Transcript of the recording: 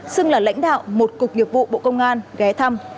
xưng là lãnh đạo một cục nghiệp vụ bộ công an ghé thăm